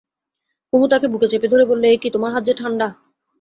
কুমু তাকে বুকে চেপে ধরে বললে, এ কী, তোমার হাত যে ঠাণ্ডা!